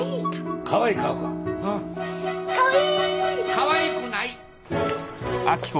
かわいくない！